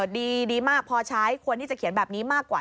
ดีมากพอใช้ควรที่จะเขียนแบบนี้มากกว่า